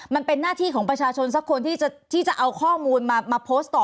มันเป็นหน้าที่ของประชาชนสักคนที่จะเอาข้อมูลมาโพสต์ต่อ